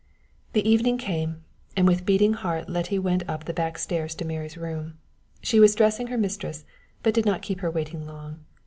The evening came, and with beating heart Letty went up the back stairs to Mary's room. She was dressing her mistress, but did not keep her waiting long.